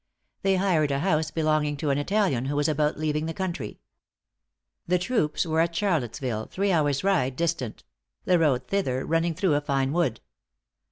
They hired a house belonging to an Italian who was about leaving the country. The troops were at Charlottesville, three hours' ride distant the road thither running through a fine wood.